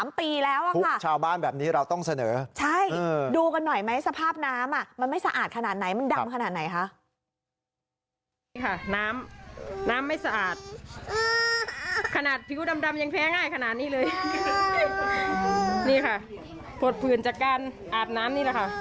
เมื่องน้ำน้ำไม่สะอาดขนาดผิวดำยังแพ้ง่ายขนาดนี้เลยนี่ครับโผล่สผื่นจากการอาบน้ำนี่ละค่ะ